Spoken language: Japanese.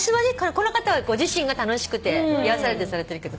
この方はご自身が楽しくて癒やされてされてるけど。